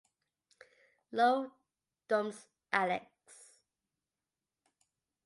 Lo dumps Alex.